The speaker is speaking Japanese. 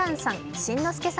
新之助さん